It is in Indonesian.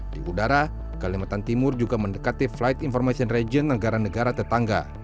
di udara kalimantan timur juga mendekati flight information region negara negara tetangga